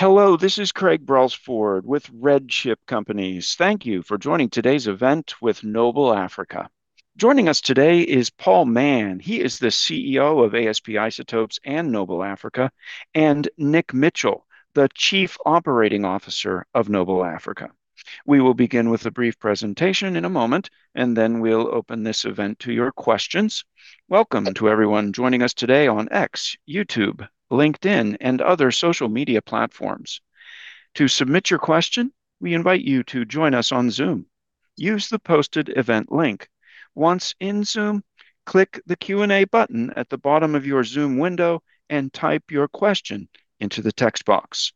Hello, this is Craig Brelsford with RedChip Companies. Thank you for joining today's event with Noble Africa. Joining us today is Paul Mann. He is the CEO of ASP Isotopes and Noble Africa, and Nick Mitchell, the Chief Operating Officer of Noble Africa. We will begin with a brief presentation in a moment. Then we'll open this event to your questions. Welcome to everyone joining us today on X, YouTube, LinkedIn, and other social media platforms. To submit your question, we invite you to join us on Zoom. Use the posted event link. Once in Zoom, click the Q&A button at the bottom of your Zoom window and type your question into the text box.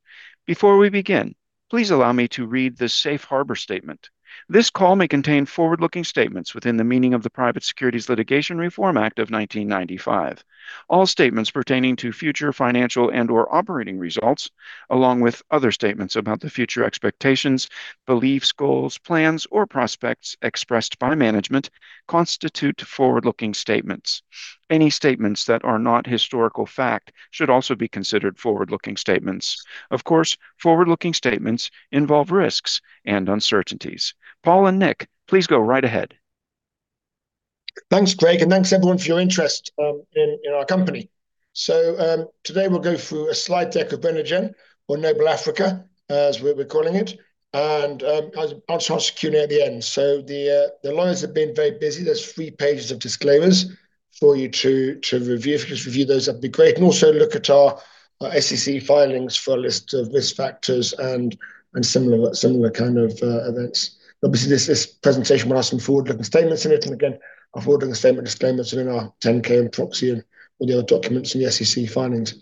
Before we begin, please allow me to read the safe harbor statement. This call may contain forward-looking statements within the meaning of the Private Securities Litigation Reform Act of 1995. All statements pertaining to future financial and/or operating results, along with other statements about the future expectations, beliefs, goals, plans, or prospects expressed by management constitute forward-looking statements. Any statements that are not historical fact should also be considered forward-looking statements. Of course, forward-looking statements involve risks and uncertainties. Paul and Nick, please go right ahead. Thanks, Craig, and thanks everyone for your interest in our company. Today we'll go through a slide deck of Renergen or Noble Africa, as we're calling it. I'll start Q&A at the end. The lawyers have been very busy. There's three pages of disclaimers for you to review. If you could just review those, that'd be great. Also look at our SEC filings for a list of risk factors and similar kind of events. Obviously, this presentation will have some forward-looking statements in it. Again, our forward-looking statement disclaimers are in our 10-K and proxy and all the other documents in the SEC filings.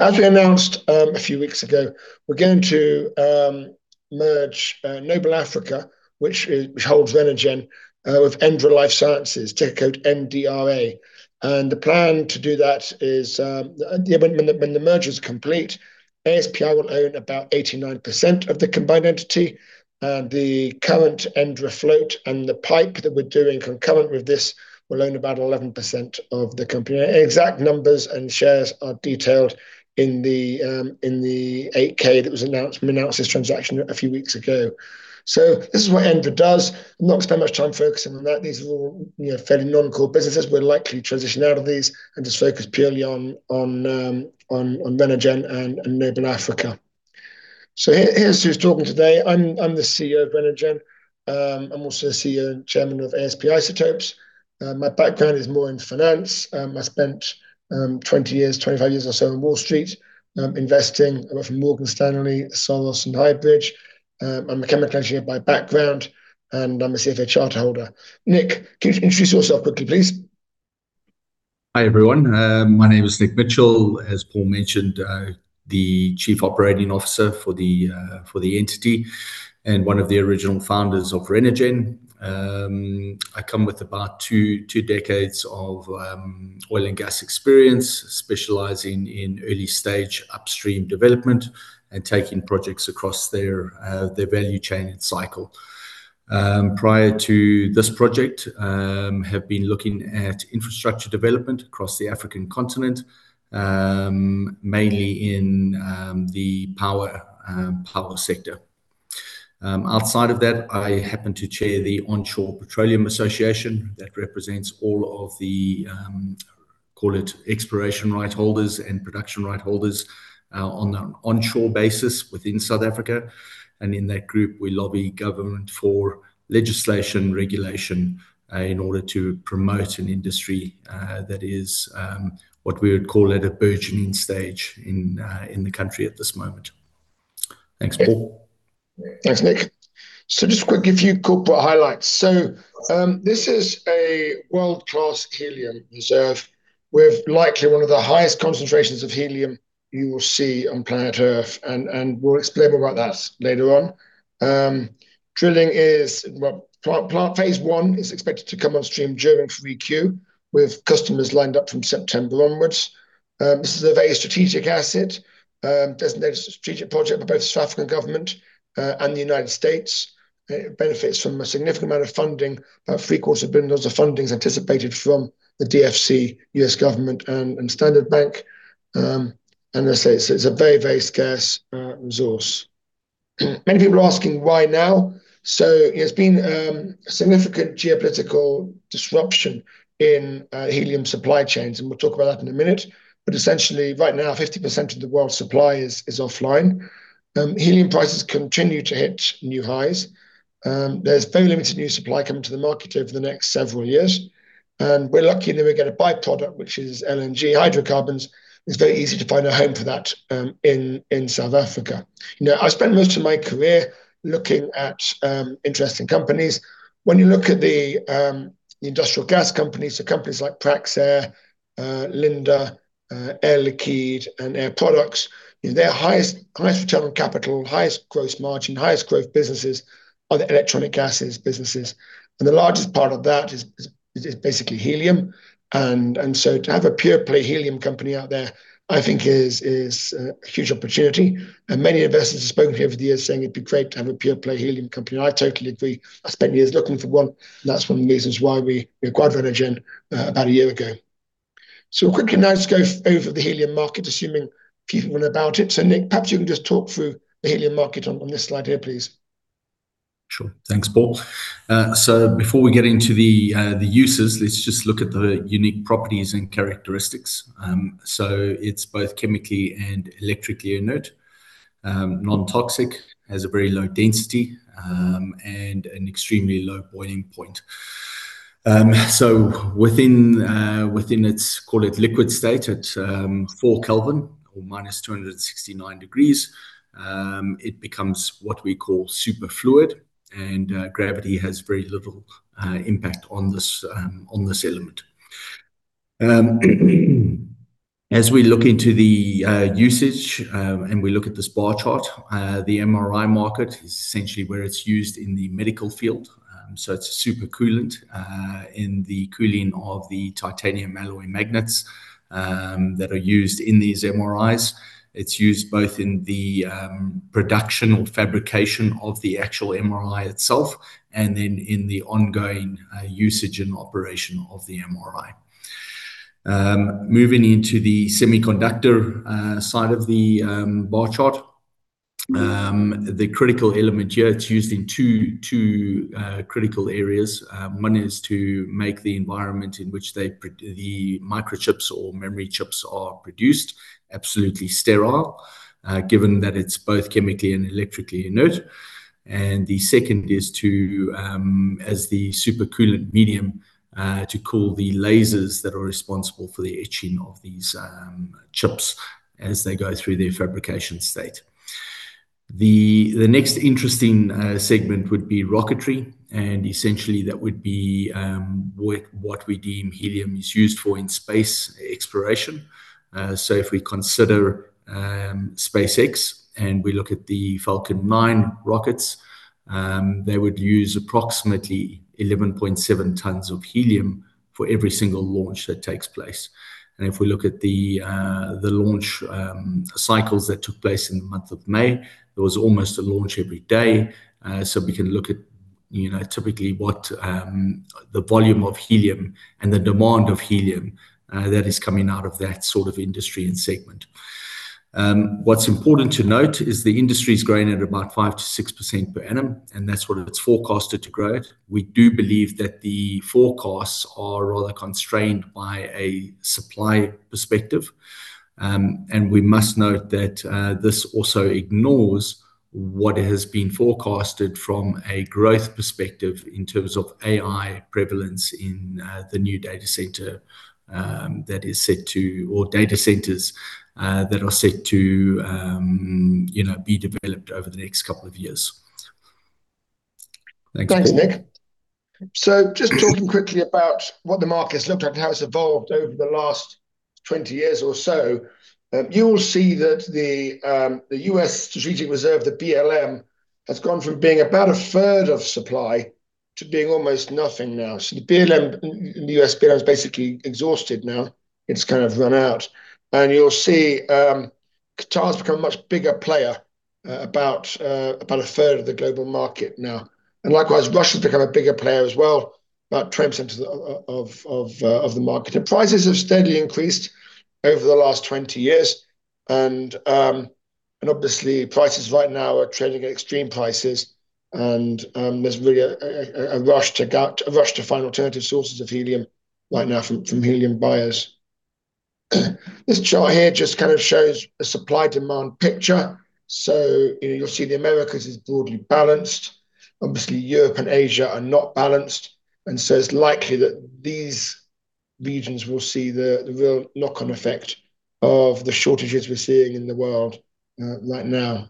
As we announced a few weeks ago, we're going to merge Noble Africa, which holds Renergen, with ENDRA Life Sciences, ticker code NDRA. The plan to do that is when the merger is complete, ASP will own about 89% of the combined entity, and the current ENDRA float and the pipe that we're doing concurrent with this will own about 11% of the company. Exact numbers and shares are detailed in the 8-K that was announced when we announced this transaction a few weeks ago. This is what ENDRA does. We will not spend much time focusing on that. These are all fairly non-core businesses. We'll likely transition out of these and just focus purely on Renergen and Noble Africa. Here's who's talking today. I'm the CEO of Renergen. I'm also the CEO and Chairman of ASP Isotopes. My background is more in finance. I spent 20 years, 25 years or so on Wall Street, investing. I went from Morgan Stanley, Soros, and Highbridge. I'm a chemical engineer by background, and I'm a CFA charterholder. Nick, can you introduce yourself quickly, please? Hi, everyone. My name is Nick Mitchell, as Paul mentioned, the Chief Operating Officer for the entity and one of the original founders of Renergen. I come with about two decades of oil and gas experience, specializing in early-stage upstream development and taking projects across their value chain and cycle. Prior to this project, have been looking at infrastructure development across the African continent, mainly in the power sector. Outside of that, I happen to chair the Onshore Petroleum Association. That represents all of the call it exploration right holders and production right holders on an onshore basis within South Africa. In that group, we lobby government for legislation, regulation in order to promote an industry that is what we would call at a burgeoning stage in the country at this moment. Thanks, Paul. Thanks, Nick. Just quick, a few corporate highlights. This is a world-class helium reserve with likely one of the highest concentrations of helium you will see on planet Earth, and we'll explain more about that later on. Drilling is well, plant phase I is expected to come on stream during 3Q, with customers lined up from September onwards. This is a very strategic asset. Designated a strategic project for both South African government and the United States. It benefits from a significant amount of funding. About $750 million of funding is anticipated from the DFC, U.S. government, and Standard Bank. As I say, it's a very, very scarce resource. Many people are asking why now. There's been a significant geopolitical disruption in helium supply chains, and we'll talk about that in a minute. Essentially, right now, 50% of the world's supply is offline. Helium prices continue to hit new highs. There's very limited new supply coming to the market over the next several years, and we're lucky that we get a by-product, which is LNG hydrocarbons. It's very easy to find a home for that in South Africa. I've spent most of my career looking at interesting companies. When you look at the industrial gas companies like Praxair, Linde, Air Liquide, and Air Products, their highest return on capital, highest gross margin, highest growth businesses are the electronic gases businesses, and the largest part of that is basically helium. To have a pure play helium company out there, I think is a huge opportunity. Many investors have spoken here over the years saying it'd be great to have a pure play helium company, and I totally agree. I spent years looking for one, and that's one of the reasons why we acquired Renergen about a year ago. Quickly now, let's go over the helium market, assuming people know about it. Nick, perhaps you can just talk through the helium market on this slide here, please. Sure. Thanks, Paul. Before we get into the uses, let's just look at the unique properties and characteristics. It's both chemically and electrically inert, non-toxic, has a very low density, and an extremely low boiling point. Within its, call it liquid state, at 4 Kelvin or -269 degrees, it becomes what we call superfluid, and gravity has very little impact on this element. As we look into the usage, and we look at this bar chart, the MRI market is essentially where it's used in the medical field. It's a super coolant in the cooling of the titanium alloy magnets that are used in these MRIs. It's used both in the production or fabrication of the actual MRI itself, and then in the ongoing usage and operation of the MRI. Moving into the semiconductor side of the bar chart. The critical element here, it's used in two critical areas. One is to make the environment in which the microchips or memory chips are produced absolutely sterile, given that it's both chemically and electrically inert. The second is to, as the super coolant medium, to cool the lasers that are responsible for the etching of these chips as they go through their fabrication state. The next interesting segment would be rocketry, essentially that would be what we deem helium is used for in space exploration. If we consider SpaceX, and we look at the Falcon 9 rockets, they would use approximately 11.7 tons of helium for every single launch that takes place. If we look at the launch cycles that took place in the month of May, there was almost a launch every day. We can look at typically what the volume of helium and the demand of helium that is coming out of that sort of industry and segment. What's important to note is the industry's growing at about 5% to 6% per annum, that's what it's forecasted to grow at. We do believe that the forecasts are rather constrained by a supply perspective. We must note that this also ignores what has been forecasted from a growth perspective in terms of AI prevalence in the new data center that is set to, or data centers, that are set to be developed over the next couple of years. Thank you. Thanks, Nick. Just talking quickly about what the market's looked at and how it's evolved over the last 20 years or so. You will see that the U.S. Strategic Reserve, the BLM, has gone from being about a third of supply to being almost nothing now. The BLM is basically exhausted now. It's kind of run out. You will see Qatar's become a much bigger player, about a third of the global market now. Likewise, Russia's become a bigger player as well, about 10% of the market. The prices have steadily increased over the last 20 years and obviously prices right now are trading at extreme prices and there's really a rush to find alternative sources of helium right now from helium buyers. This chart here just kind of shows a supply-demand picture. You will see the Americas is broadly balanced. Obviously, Europe and Asia are not balanced. It's likely that these regions will see the real knock-on effect of the shortages we're seeing in the world right now.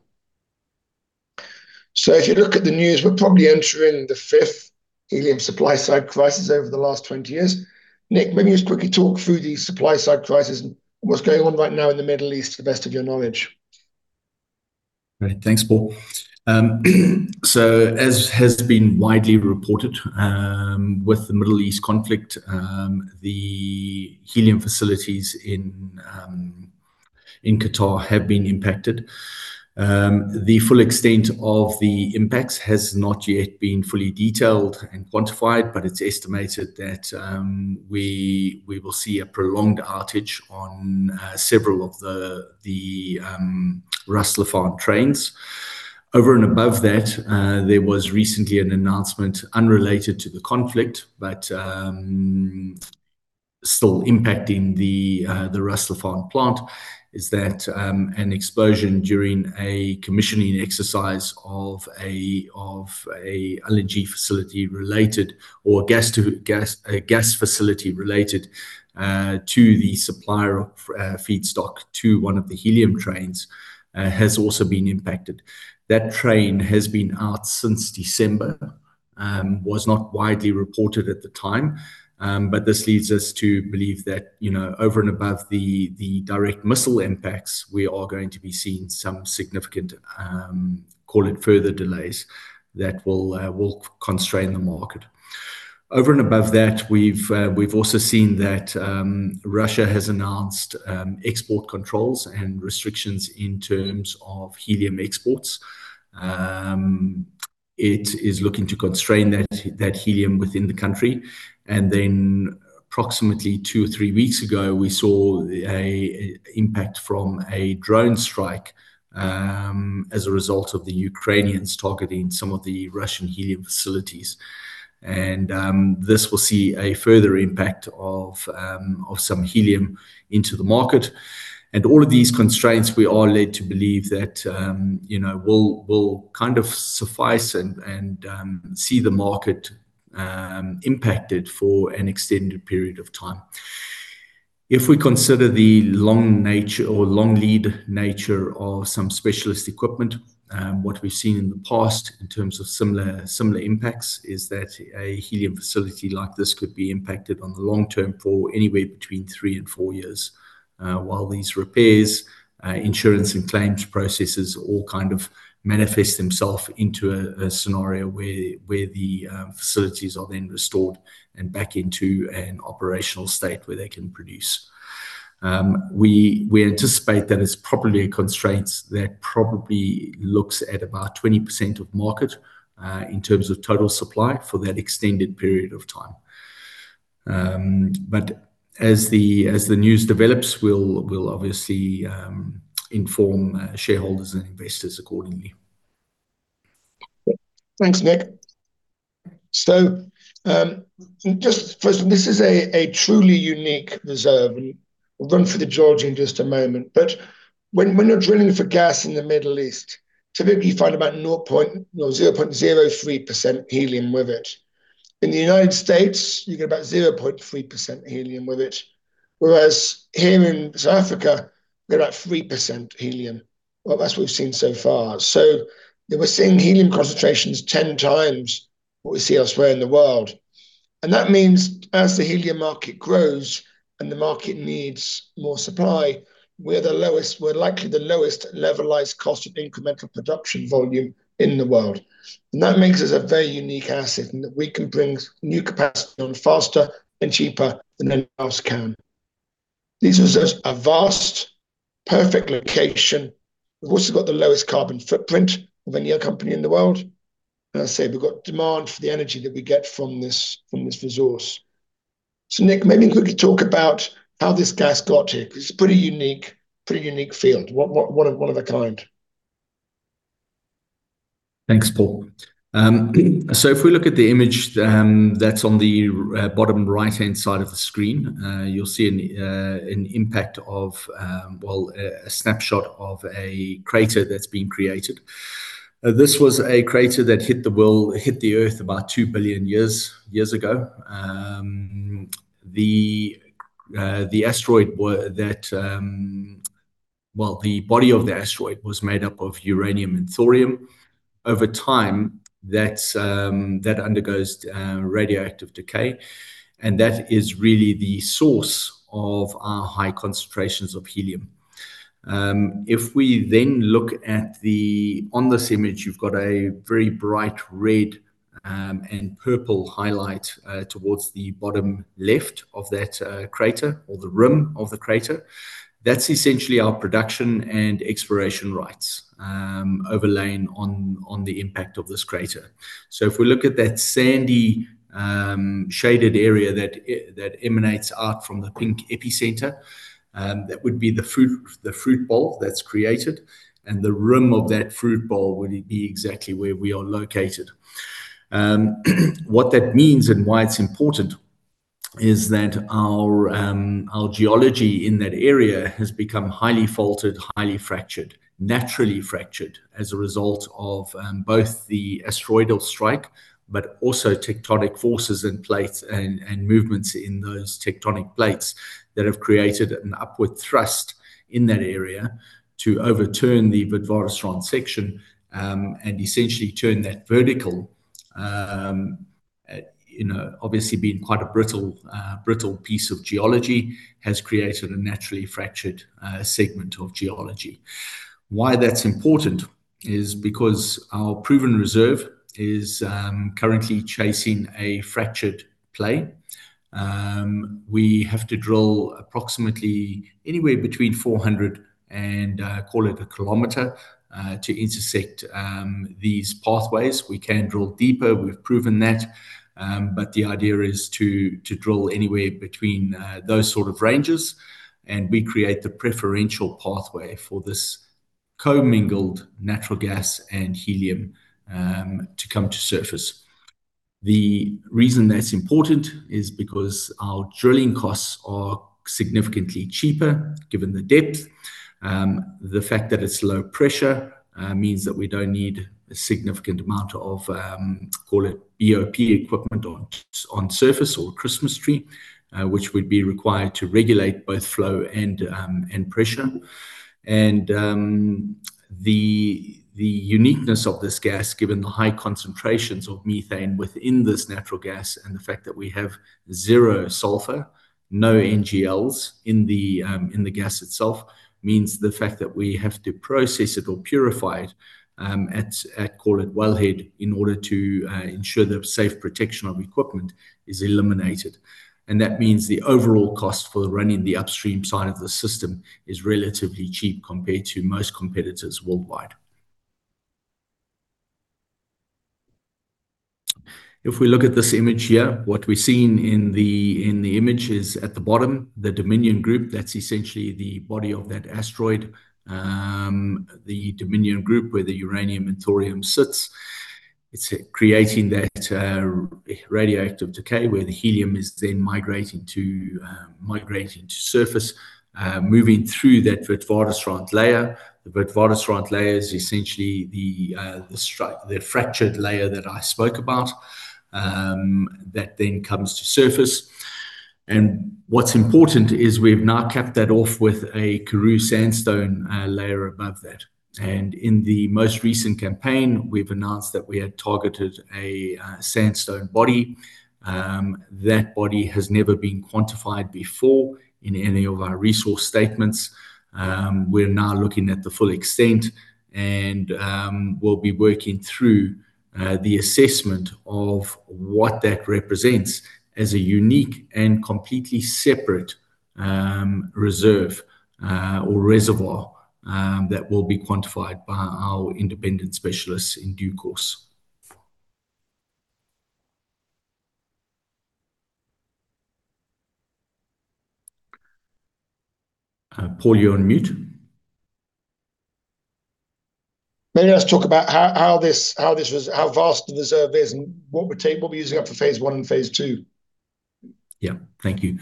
If you look at the news, we're probably entering the fifth helium supply side crisis over the last 20 years. Nick, maybe just quickly talk through the supply side crisis and what's going on right now in the Middle East, to the best of your knowledge. Right. Thanks, Paul. As has been widely reported, with the Middle East conflict, the helium facilities in Qatar have been impacted. The full extent of the impacts has not yet been fully detailed and quantified, but it's estimated that we will see a prolonged outage on several of the Ras Laffan trains. Over and above that, there was recently an announcement unrelated to the conflict, but still impacting the Ras Laffan plant, is that an explosion during a commissioning exercise of a LNG facility related, or a gas facility related to the supplier feedstock to one of the helium trains has also been impacted. That train has been out since December. Was not widely reported at the time, but this leads us to believe that over and above the direct missile impacts, we are going to be seeing some significant, call it further delays, that will constrain the market. Over and above that, we've also seen that Russia has announced export controls and restrictions in terms of helium exports. It is looking to constrain that helium within the country. Approximately two or three weeks ago, we saw an impact from a drone strike as a result of the Ukrainians targeting some of the Russian helium facilities. This will see a further impact of some helium into the market. All of these constraints, we are led to believe that will suffice and see the market impacted for an extended period of time. If we consider the long nature or long lead nature of some specialist equipment, what we've seen in the past in terms of similar impacts is that a helium facility like this could be impacted on the long term for anywhere between three and four years, while these repairs, insurance, and claims processes all kind of manifest themselves into a scenario where the facilities are then restored and back into an operational state where they can produce. We anticipate that it's probably constraints that probably looks at about 20% of market in terms of total supply for that extended period of time. As the news develops, we'll obviously inform shareholders and investors accordingly. Thanks, Nick. Just first, this is a truly unique reserve, and we'll run through the geology in just a moment. When you're drilling for gas in the Middle East, typically you find about 0.03% helium with it. In the U.S., you get about 0.3% helium with it. Whereas here in South Africa, we get about 3% helium. Well, that's what we've seen so far. We're seeing helium concentrations 10x what we see elsewhere in the world. That means as the helium market grows and the market needs more supply, we're the lowest, we're likely the lowest levelized cost of incremental production volume in the world. That makes us a very unique asset in that we can bring new capacity on faster and cheaper than anyone else can. These reserves are vast, perfect location. We've also got the lowest carbon footprint of any other company in the world. As I say, we've got demand for the energy that we get from this resource. Nick, maybe quickly talk about how this gas got here, because it's a pretty unique field. One of a kind. Thanks, Paul. If we look at the image that's on the bottom right-hand side of the screen, you'll see an impact of, well, a snapshot of a crater that's been created. This was a crater that hit the earth about 2 billion years ago. The body of the asteroid was made up of uranium and thorium. Over time, that undergoes radioactive decay, and that is really the source of our high concentrations of helium. On this image, you've got a very bright red and purple highlight towards the bottom left of that crater or the rim of the crater. That's essentially our production and exploration rights overlain on the impact of this crater. If we look at that sandy shaded area that emanates out from the pink epicenter, that would be the fruit bowl that is created, and the rim of that fruit bowl would be exactly where we are located. What that means and why it is important is that our geology in that area has become highly faulted, highly fractured, naturally fractured as a result of both the asteroidal strike, but also tectonic forces and plates and movements in those tectonic plates that have created an upward thrust in that area to overturn the Witwatersrand section, and essentially turn that vertical. Obviously being quite a brittle piece of geology has created a naturally fractured segment of geology. Why that is important is because our proven reserve is currently chasing a fractured plane. We have to drill approximately anywhere between 400 and, call it 1 km, to intersect these pathways. We can drill deeper. We have proven that. The idea is to drill anywhere between those sort of ranges, and we create the preferential pathway for this commingled natural gas and helium to come to surface. The reason that is important is because our drilling costs are significantly cheaper given the depth. The fact that it is low pressure means that we do not need a significant amount of, call it BOP equipment on surface or Christmas tree, which would be required to regulate both flow and pressure. The uniqueness of this gas, given the high concentrations of methane within this natural gas, and the fact that we have zero sulfur, no NGLs in the gas itself, means the fact that we have to process it or purify it at, call it wellhead, in order to ensure the safe protection of equipment is eliminated. That means the overall cost for running the upstream side of the system is relatively cheap compared to most competitors worldwide. If we look at this image here, what we are seeing in the image is at the bottom, the Dominion Group. That is essentially the body of that asteroid, the Dominion Group, where the uranium and thorium sits. It is creating that radioactive decay, where the helium is then migrating to surface, moving through that Witwatersrand layer. The Witwatersrand layer is essentially the fractured layer that I spoke about that then comes to surface. What is important is we have now capped that off with a Karoo sandstone layer above that. In the most recent campaign, we have announced that we had targeted a sandstone body. That body has never been quantified before in any of our resource statements. We are now looking at the full extent, and we will be working through the assessment of what that represents as a unique and completely separate reserve or reservoir that will be quantified by our independent specialists in due course. Paul, you are on mute. Maybe let's talk about how vast the reserve is and what we're using up for phase I and phase II. Thank you.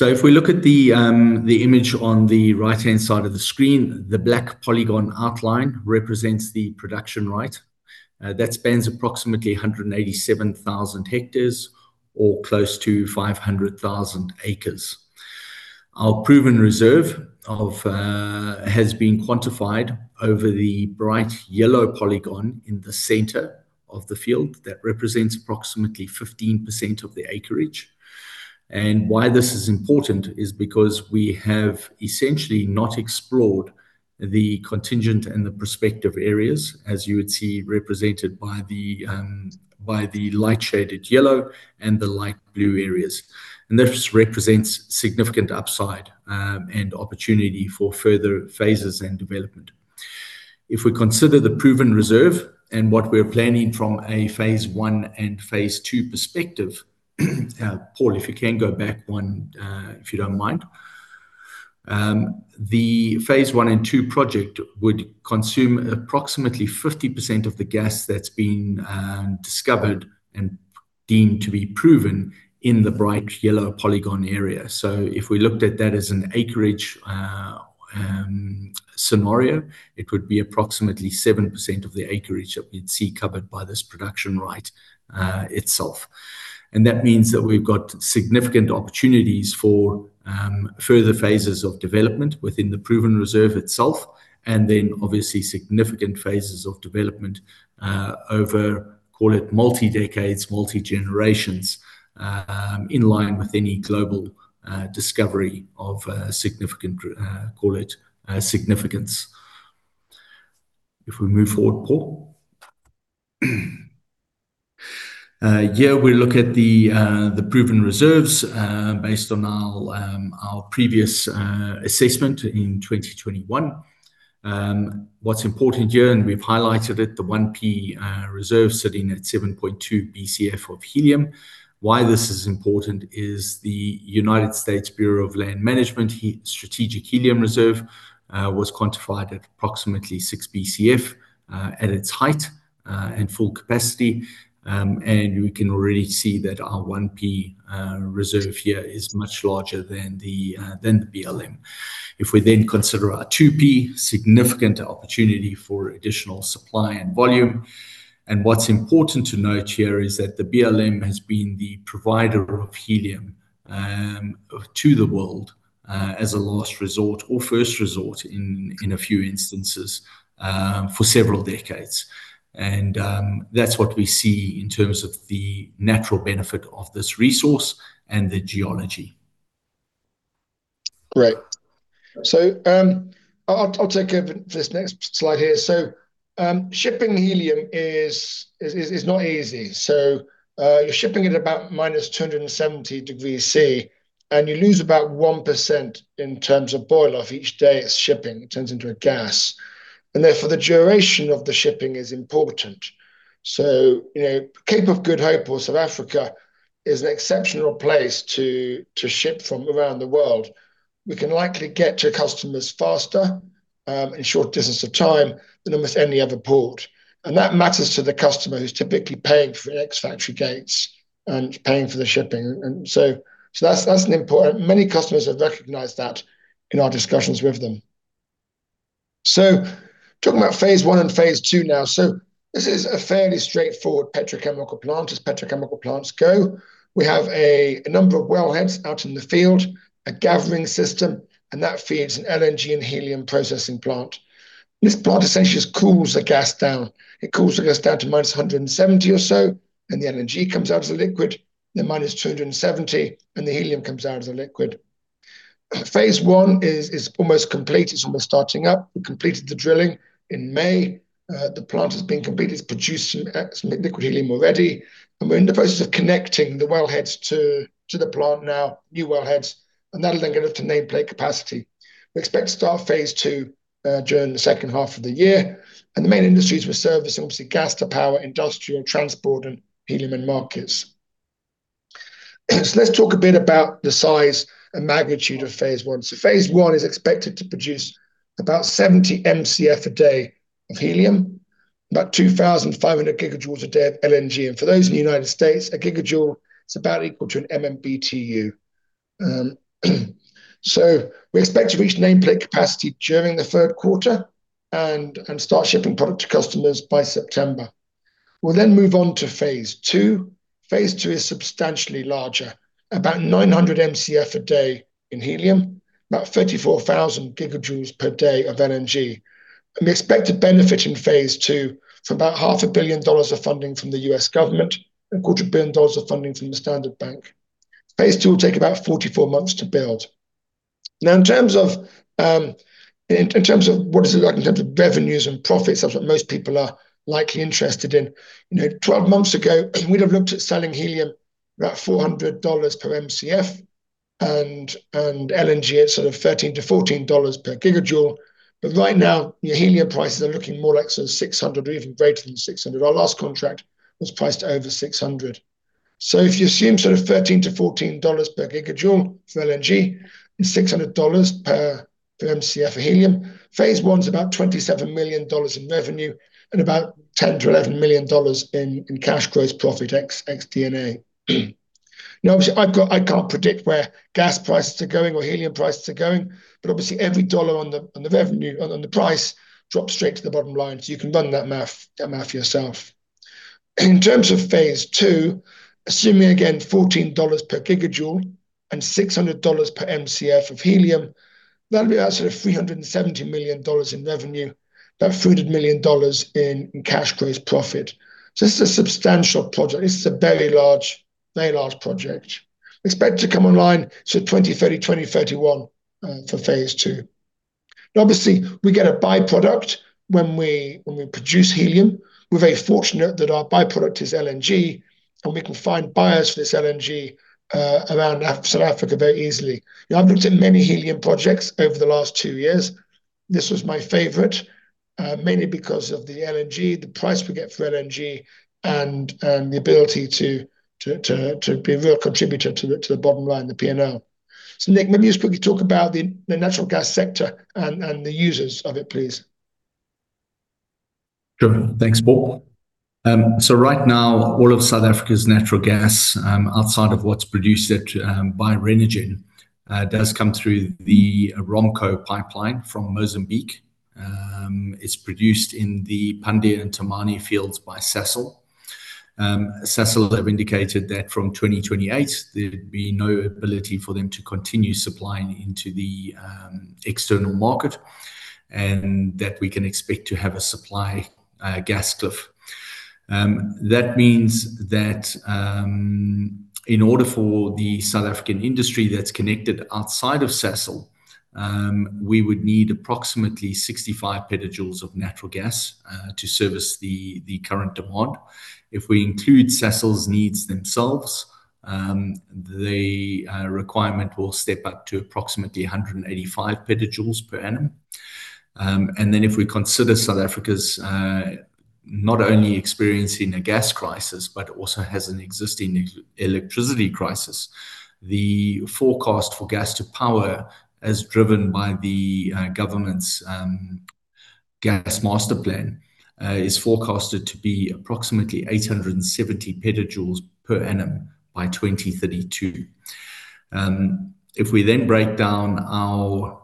If we look at the image on the right-hand side of the screen, the black polygon outline represents the production right. That spans approximately 187,000 hectares or close to 500,000 acres. Our proven reserve has been quantified over the bright yellow polygon in the center of the field. That represents approximately 15% of the acreage. Why this is important is because we have essentially not explored the contingent and the prospective areas, as you would see represented by the light shaded yellow and the light blue areas. This represents significant upside and opportunity for further phases and development. If we consider the proven reserve and what we're planning from a phase I and phase II perspective. Paul, if you can go back one, if you don't mind. The phase I and II project would consume approximately 50% of the gas that's been discovered and deemed to be proven in the bright yellow polygon area. If we looked at that as an acreage scenario, it would be approximately 7% of the acreage that we'd see covered by this production right itself. That means that we've got significant opportunities for further phases of development within the proven reserve itself, obviously significant phases of development over, call it multi-decades, multi-generations, in line with any global discovery of significant, call it significance. If we move forward, Paul. Here we look at the proven reserves based on our previous assessment in 2021. What's important here, and we've highlighted it, the 1P reserve sitting at 7.2 Bcf of helium. Why this is important is the U.S. Bureau of Land Management Strategic Helium Reserve was quantified at approximately 6 Bcf at its height and full capacity. We can already see that our 1P reserve here is much larger than the BLM. If we consider our 2P, significant opportunity for additional supply and volume. What's important to note here is that the BLM has been the provider of helium to the world as a last resort, or first resort in a few instances, for several decades. That's what we see in terms of the natural benefit of this resource and the geology. Great. I'll take over this next slide here. Shipping helium is not easy. You're shipping it about -270 degrees Celsius, and you lose about 1% in terms of boil off each day it's shipping. It turns into a gas, and therefore the duration of the shipping is important. Cape of Good Hope or South Africa is an exceptional place to ship from around the world. We can likely get to customers faster in a short distance of time than almost any other port. That matters to the customer who's typically paying for ex-factory gates and paying for the shipping. That's important. Many customers have recognized that in our discussions with them. Talking about phase I and phase II now. This is a fairly straightforward petrochemical plant as petrochemical plants go. We have a number of wellheads out in the field, a gathering system, that feeds an LNG and helium processing plant. This plant essentially just cools the gas down. It cools the gas down to -170 or so, and the LNG comes out as a liquid, then -270, and the helium comes out as a liquid. Phase I is almost complete. It's almost starting up. We completed the drilling in May. The plant has been completed. It's produced some liquid helium already, and we're in the process of connecting the wellheads to the plant now, new wellheads, that'll then get us to nameplate capacity. We expect to start phase II during the second half of the year. The main industries we're servicing, obviously gas to power, industrial transport, and helium in markets. Let's talk a bit about the size and magnitude of phase I. Phase I is expected to produce about 70 Mcf a day of helium, about 2,500 GJ a day of LNG. For those in the U.S., a gigajoule is about equal to an MMBTU. We expect to reach nameplate capacity during the third quarter and start shipping product to customers by September. We'll move on to phase II. Phase II is substantially larger, about 900 Mcf a day in helium, about 34,000 GJ per day of LNG. We expect to benefit in phase II for about $500 million of funding from the U.S. government and a $250 million of funding from the Standard Bank. Phase II will take about 44 months to build. Now, in terms of what is it like in terms of revenues and profits, that's what most people are likely interested in. 12 months ago, we'd have looked at selling helium about $400 per Mcf and LNG at sort of $13-$14 per gigajoule. Right now, your helium prices are looking more like sort of $600 or even greater than $600. Our last contract was priced over $600. If you assume sort of $13-$14 per gigajoule for LNG and $600 per Mcf of helium, phase I's about $27 million in revenue and about $10 million-$11 million in cash gross profit ex D&A. Now, obviously, I can't predict where gas prices are going or helium prices are going, obviously every dollar on the price drops straight to the bottom line, so you can run that math yourself. In terms of phase II, assuming, again, $14 per gigajoule and $600 per Mcf of helium, that'll be about $370 million in revenue, about $300 million in cash gross profit. This is a substantial project. This is a very large project. Expect to come online 2030, 2031, for phase II. Obviously, we get a by-product when we produce helium. We're very fortunate that our by-product is LNG, and we can find buyers for this LNG around South Africa very easily. I've looked at many helium projects over the last two years. This was my favorite, mainly because of the LNG, the price we get for LNG, and the ability to be a real contributor to the bottom line, the P&L. Nick, maybe just quickly talk about the natural gas sector and the users of it, please. Sure. Thanks, Paul. Right now, all of South Africa's natural gas, outside of what's produced by Renergen, does come through the ROMPCO pipeline from Mozambique. It's produced in the Pande and Temane fields by Sasol. Sasol have indicated that from 2028, there'd be no ability for them to continue supplying into the external market, and that we can expect to have a supply gas cliff. That means that in order for the South African industry that's connected outside of Sasol, we would need approximately 65 PJ of natural gas to service the current demand. If we include Sasol's needs themselves, the requirement will step up to approximately 185 PJ per annum. If we consider South Africa's not only experiencing a gas crisis, but also has an existing electricity crisis, the forecast for gas to power, as driven by the government's gas master plan, is forecasted to be approximately 870 PJ per annum by 2032. If we break down our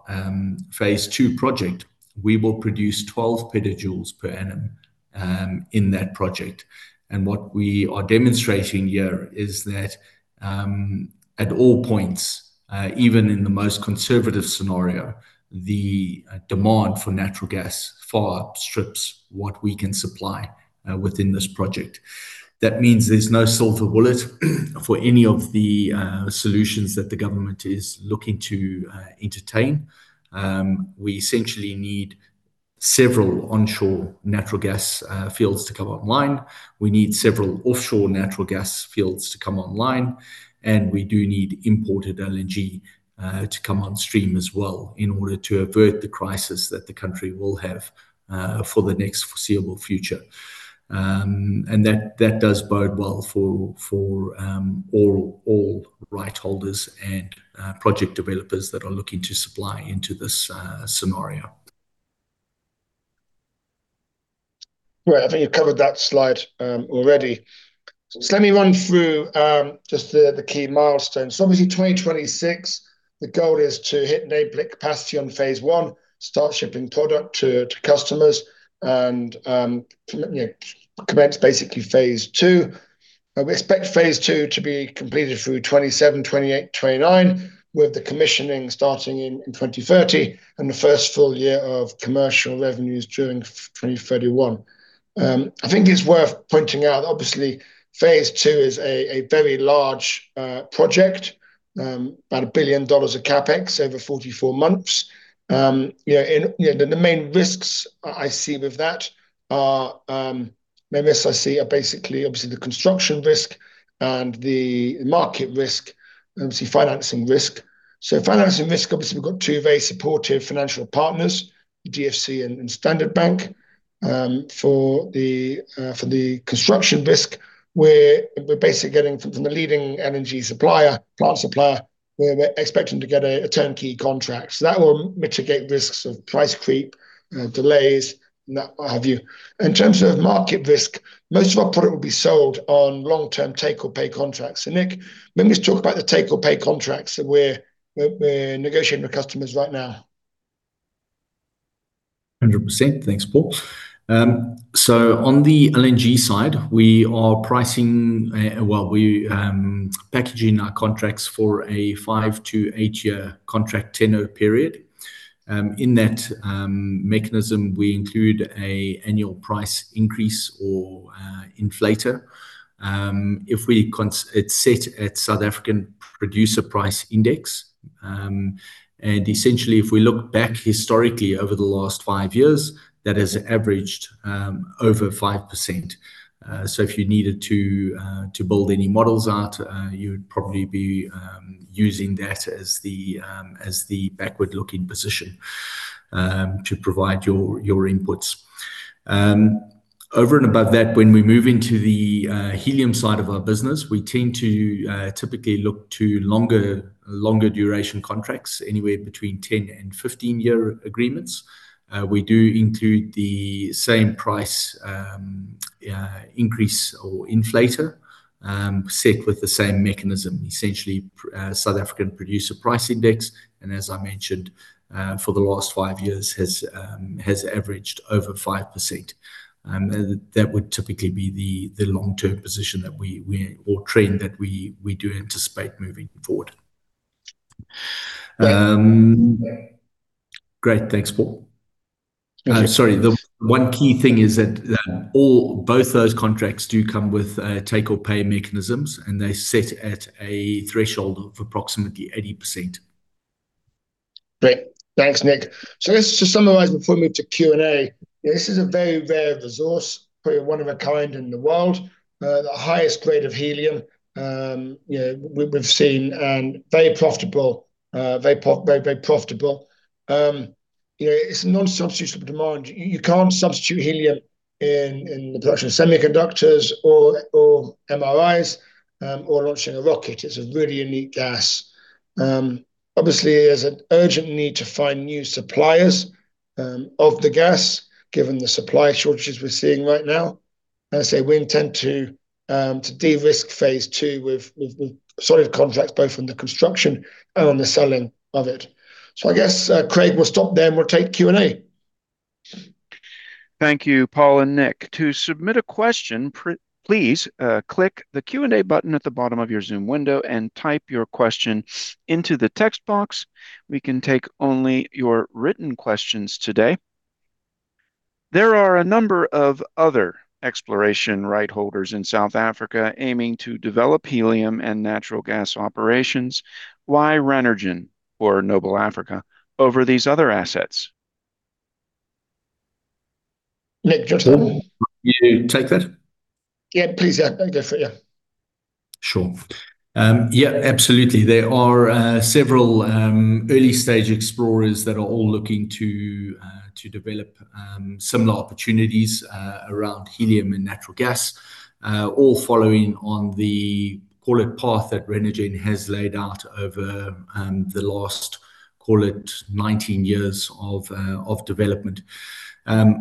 phase II project, we will produce 12 PJ per annum in that project. What we are demonstrating here is that at all points, even in the most conservative scenario, the demand for natural gas far outstrips what we can supply within this project. That means there's no silver bullet for any of the solutions that the government is looking to entertain. We essentially need several onshore natural gas fields to come online. We need several offshore natural gas fields to come online, we do need imported LNG to come on stream as well in order to avert the crisis that the country will have for the next foreseeable future. That does bode well for all right holders and project developers that are looking to supply into this scenario. Right. I think you've covered that slide already. Let me run through just the key milestones. Obviously, 2026, the goal is to hit nameplate capacity on phase I, start shipping product to customers, and commence basically phase II. We expect phase II to be completed through 2027, 2028, 2029, with the commissioning starting in 2030, and the first full year of commercial revenues during 2031. I think it's worth pointing out, obviously, phase II is a very large project, about $1 billion of CapEx over 44 months. The main risks I see with that are basically obviously the construction risk and the market risk, obviously financing risk. Financing risk, obviously, we've got two very supportive financial partners, DFC and Standard Bank. For the construction risk, we're basically getting from the leading energy supplier, plant supplier, we're expecting to get a turnkey contract. That will mitigate risks of price creep, delays, and that, what have you. In terms of market risk, most of our product will be sold on long-term take or pay contracts. Nick, maybe let's talk about the take or pay contracts that we're negotiating with customers right now. 100%. Thanks, Paul. On the LNG side, we are pricing, well, we're packaging our contracts for a five to eight-year contract tenor period. In that mechanism, we include an annual price increase or inflator. It's set at South African Producer Price Index. Essentially, if we look back historically over the last five years, that has averaged over 5%. If you needed to build any models out, you would probably be using that as the backward-looking position to provide your inputs. Over and above that, when we move into the helium side of our business, we tend to typically look to longer duration contracts, anywhere between 10- and 15-year agreements. We do include the same price increase or inflator, set with the same mechanism. Essentially, South African Producer Price Index, and as I mentioned, for the last five years has averaged over 5%. That would typically be the long-term position or trend that we do anticipate moving forward. Great. Great. Thanks, Paul. Thank you. Sorry. The one key thing is that both those contracts do come with take or pay mechanisms, and they're set at a threshold of approximately 80%. Great. Thanks, Nick. I guess to summarize before we move to Q&A, this is a very rare resource, probably one of a kind in the world. The highest grade of helium we've seen, and very profitable. It's non-substitutable demand. You can't substitute helium in the production of semiconductors or MRIs or launching a rocket. It's a really unique gas. Obviously, there's an urgent need to find new suppliers of the gas, given the supply shortages we're seeing right now. As I say, we intend to de-risk phase II with solid contracts, both on the construction and on the selling of it. I guess, Craig, we'll stop there and we'll take Q&A. Thank you, Paul and Nick. To submit a question, please click the Q&A button at the bottom of your Zoom window and type your question into the text box. We can take only your written questions today. There are a number of other exploration right holders in South Africa aiming to develop helium and natural gas operations. Why Renergen or Noble Africa over these other assets? Nick, do you want to? Paul, want me to take that? Yeah, please. Yeah. Go for it, yeah. Sure. Yeah, absolutely. There are several early-stage explorers that are all looking to develop similar opportunities around helium and natural gas. All following on the, call it path, that Renergen has laid out over the last, call it 19 years of development.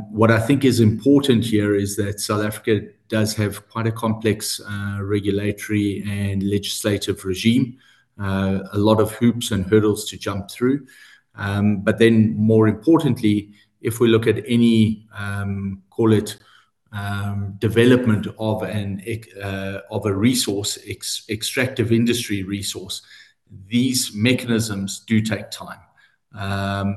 What I think is important here is that South Africa does have quite a complex regulatory and legislative regime. A lot of hoops and hurdles to jump through. More importantly, if we look at any, call it development of a resource, extractive industry resource, these mechanisms do take time.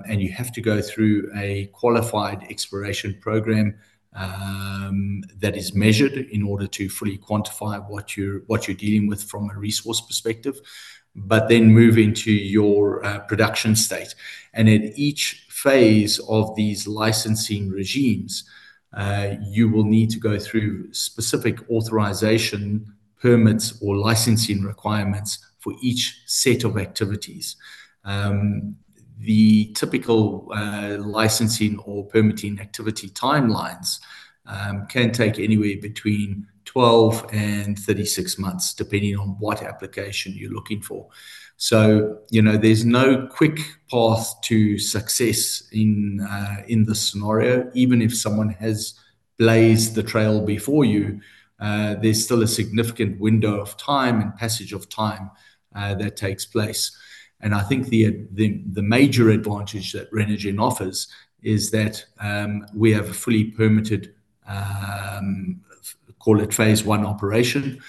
You have to go through a qualified exploration program that is measured in order to fully quantify what you're dealing with from a resource perspective, but then move into your production state. At each phase of these licensing regimes, you will need to go through specific authorization permits or licensing requirements for each set of activities. The typical licensing or permitting activity timelines can take anywhere between 12 and 36 months, depending on what application you're looking for. There's no quick path to success in this scenario. Even if someone has blazed the trail before you, there's still a significant window of time and passage of time that takes place. I think the major advantage that Renergen offers is that we have a fully permitted, call it phase I operation.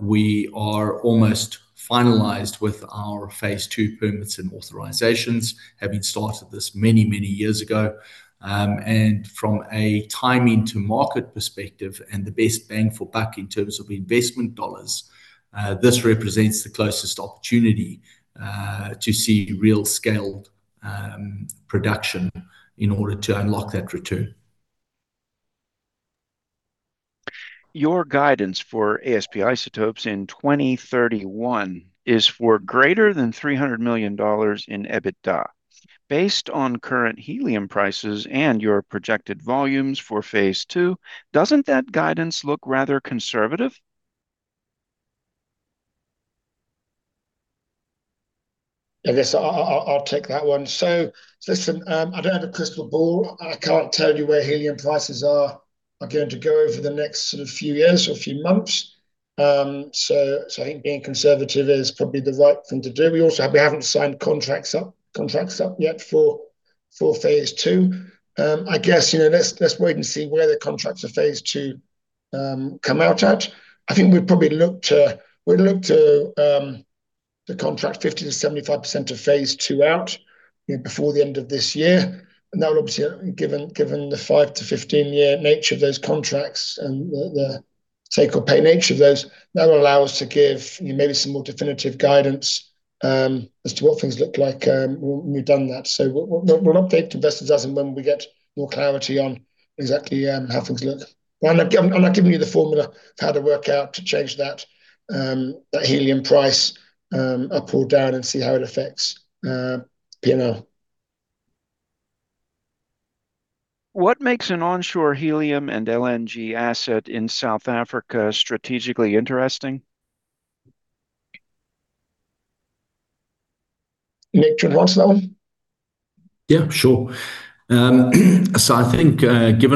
We are almost finalized with our phase II permits and authorizations, having started this many years ago. From a timing to market perspective and the best bang for buck in terms of investment dollars, this represents the closest opportunity to see real scaled production in order to unlock that return. Your guidance for ASP Isotopes in 2031 is for greater than $300 million in EBITDA. Based on current helium prices and your projected volumes for phase II, doesn't that guidance look rather conservative? I guess I'll take that one. Listen, I don't have a crystal ball. I can't tell you where helium prices are going to go over the next few years or few months. I think being conservative is probably the right thing to do. We also haven't signed contracts up yet for phase II. I guess let's wait and see where the contracts for phase II come out at. I think we'd probably look to contract 50%-75% of phase II out before the end of this year. That will obviously, given the 5-15-year nature of those contracts and the take or pay nature of those, that will allow us to give maybe some more definitive guidance as to what things look like when we've done that. We'll update investors as and when we get more clarity on exactly how things look. I'm not giving you the formula of how to work out to change that helium price up or down and see how it affects P&L. What makes an onshore helium and LNG asset in South Africa strategically interesting? Nick, you want this one? Yeah, sure. Given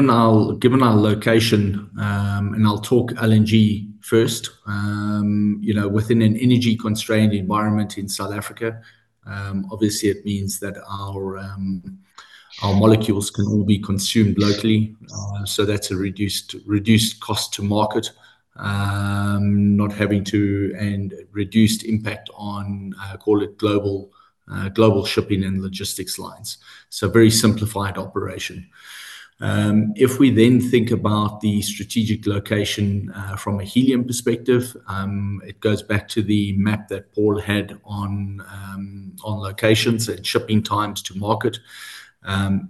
our location, I'll talk LNG first. Within an energy-constrained environment in South Africa, obviously it means that our molecules can all be consumed locally. That's a reduced cost to market, not having to and reduced impact on, call it global shipping and logistics lines. Very simplified operation. If we think about the strategic location from a helium perspective, it goes back to the map that Paul had on locations and shipping times to market.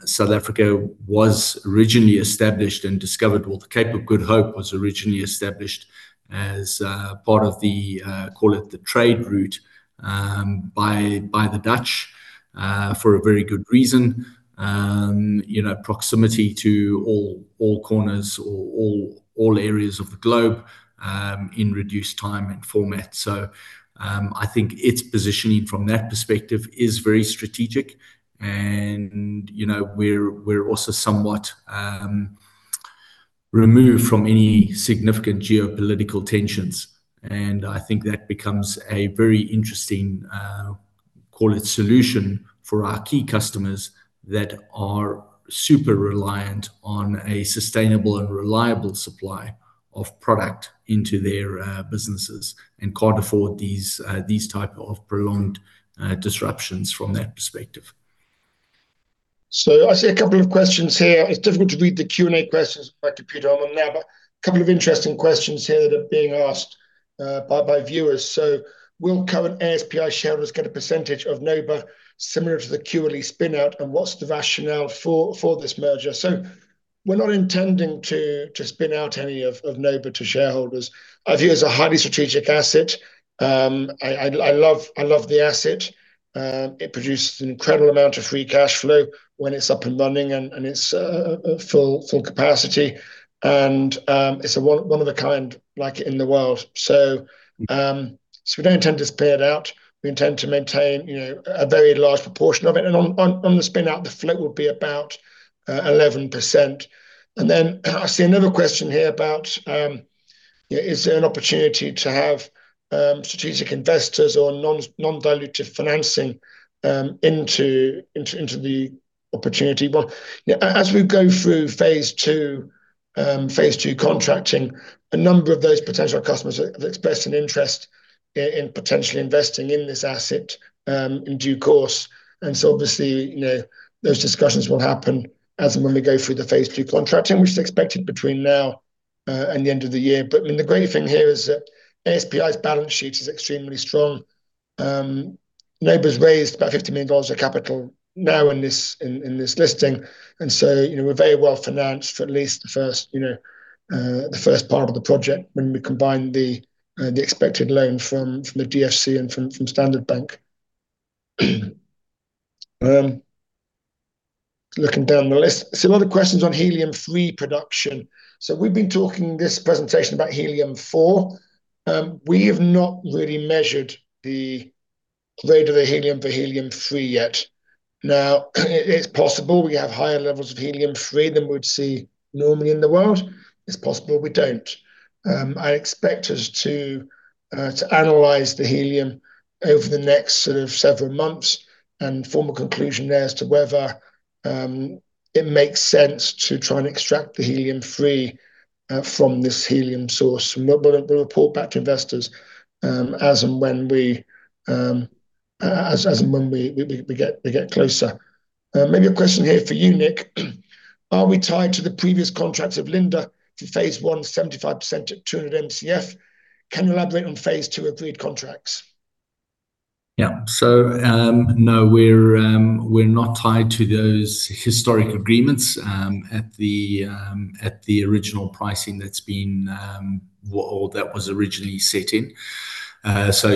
South Africa was originally established and discovered, well, the Cape of Good Hope was originally established as part of the, call it the trade route by the Dutch for a very good reason. Proximity to all corners or all areas of the globe in reduced time and format. Its positioning from that perspective is very strategic and we're also somewhat removed from any significant geopolitical tensions. That becomes a very interesting, call it solution for our key customers that are super reliant on a sustainable and reliable supply of product into their businesses and can't afford these type of prolonged disruptions from that perspective. I see a couple of questions here. It's difficult to read the Q&A questions on my computer I'm on now. A couple of interesting questions here that are being asked by viewers. Will current ASPI shareholders get a percentage of Noble similar to the QLE spinout, and what's the rationale for this merger? We're not intending to spin out any of Noble to shareholders. I view it as a highly strategic asset. I love the asset. It produces an incredible amount of free cash flow when it's up and running and it's at full capacity. It's one of a kind like it in the world. We don't intend to spin it out. We intend to maintain a very large proportion of it. On the spin out, the float will be about 11%. I see another question here about is there an opportunity to have strategic investors or non-dilutive financing into the opportunity? Well, as we go through phase II contracting, a number of those potential customers have expressed an interest in potentially investing in this asset in due course. Obviously, those discussions will happen as and when we go through the phase II contracting, which is expected between now and the end of the year. The great thing here is that ASPI's balance sheet is extremely strong. Noble's raised about $50 million of capital now in this listing. We're very well-financed for at least the first part of the project when we combine the expected loan from the GFC and from Standard Bank. Looking down the list. Some other questions on helium-3 production. We've been talking this presentation about helium-4. We have not really measured the grade of the helium for helium-3 yet. It's possible we have higher levels of helium-3 than we'd see normally in the world. It's possible we don't. I expect us to analyze the helium over the next sort of several months and form a conclusion there as to whether it makes sense to try and extract the helium-3 from this helium source. We'll report back to investors as and when we get closer. Maybe a question here for you, Nick. Are we tied to the previous contracts of Linde to phase I, 75% at 200 Mcf? Can you elaborate on phase II agreed contracts? No, we're not tied to those historic agreements at the original pricing that was originally set in.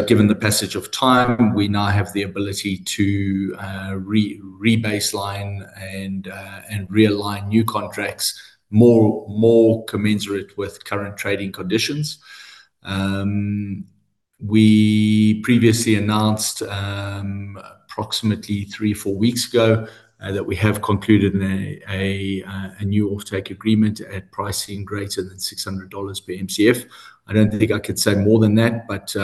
Given the passage of time, we now have the ability to re-baseline and realign new contracts more commensurate with current trading conditions. We previously announced, approximately three, four weeks ago, that we have concluded a new offtake agreement at pricing greater than $600 per Mcf. I don't think I could say more than that, but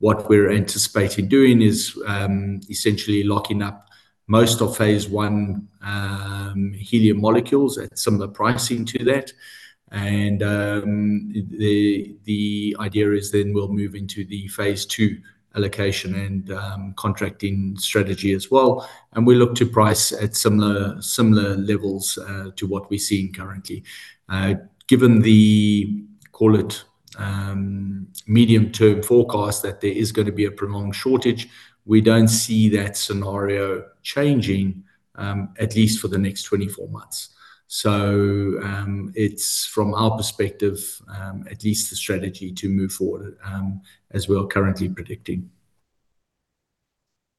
what we're anticipating doing is essentially locking up most of phase I helium molecules at similar pricing to that. The idea is then we'll move into the phase II allocation and contracting strategy as well, and we look to price at similar levels, to what we're seeing currently. Given the, call it, medium-term forecast that there is going to be a prolonged shortage, we don't see that scenario changing, at least for the next 24 months. It's from our perspective, at least the strategy to move forward, as we are currently predicting.